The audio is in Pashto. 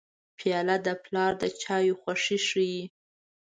پیاله د پلار د چایو خوښي ښيي.